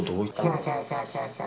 そうそうそうそう。